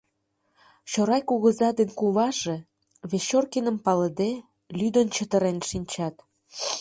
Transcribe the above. Чорай кугыза ден куваже, Вечоркиным палыде, лӱдын чытырен шинчат.